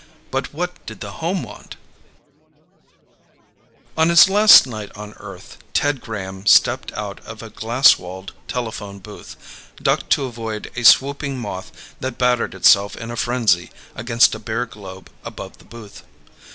but what did the home want?_ Illustrated by JOHNSON On his last night on Earth, Ted Graham stepped out of a glass walled telephone booth, ducked to avoid a swooping moth that battered itself in a frenzy against a bare globe above the booth.